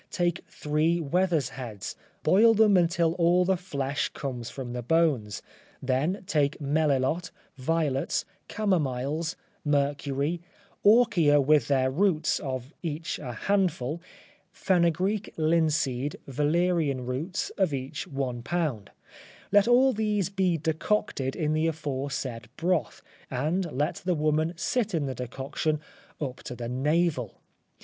Take three wethers' heads, boil them until all the flesh comes from the bones, then take melilot, violets, camomiles, mercury, orchia with their roots, of each a handful; fenugreek, linseed, valerian roots, of each one pound; let all these be decocted in the aforesaid broth, and let the woman sit in the decoction up to the navel.